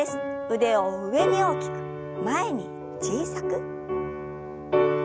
腕を上に大きく前に小さく。